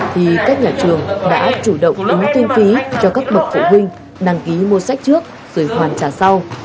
thì các nhà trường đã chủ động ứng kinh phí cho các bậc phụ huynh đăng ký mua sách trước rồi hoàn trả sau